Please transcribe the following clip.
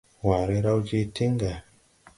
Waare raw je tiŋ ga.